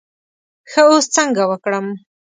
ښه اوس څنګه وکړم.